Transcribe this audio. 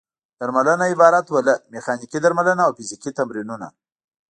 درملنه عبارت وه له: میخانیکي درملنه او فزیکي تمرینونه.